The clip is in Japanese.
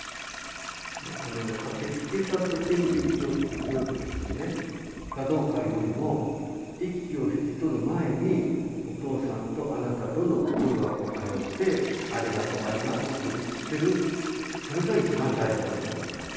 あのね駆けつけた時に息を引き取るかどうかよりも息を引き取る前にお父さんとあなたとの心がこう通って「ありがとうありがとう」と言ってるそれが一番大事だと思ってます。